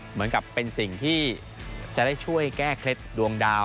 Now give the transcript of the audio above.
เหมือนกับเป็นสิ่งที่จะได้ช่วยแก้เคล็ดดวงดาว